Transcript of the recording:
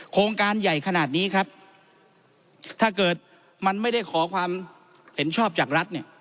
โครงการใหญ่ขนาดนี้ครับถ้าเกิดมันไม่ได้ขอความเห็นชอบจากรัฐเนี่ย